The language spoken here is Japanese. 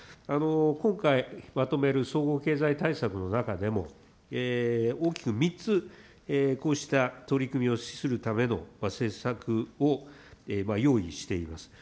今回まとめる総合経済対策の中でも、大きく３つこうした取り組みをするための施策を用意しています。